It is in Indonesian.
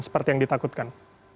seperti yang ditakutkan